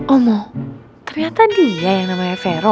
ermoh ternyata dia yang namanya verro